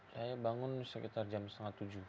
saya bangun sekitar jam setengah tujuh